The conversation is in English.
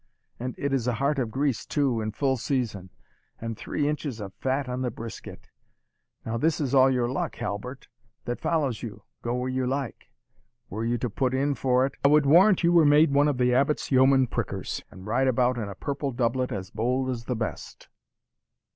And it is a hart of grease too, in full season, and three inches of fat on the brisket. Now this is all your luck, Halbert, that follows you, go where you like. Were you to put in for it, I would warrant you were made one of the Abbot's yeoman prickers, and ride about in a purple doublet as bold as the best."